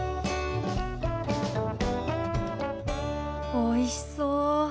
おいしそう。